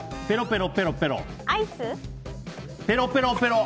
ペロペロペロ。